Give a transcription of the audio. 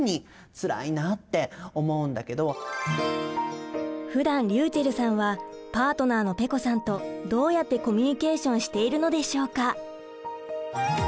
やっぱりふだんりゅうちぇるさんはパートナーのぺこさんとどうやってコミュニケーションしているのでしょうか？